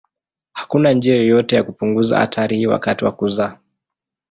Hakuna njia yoyote ya kupunguza hatari hii wakati wa kuzaa.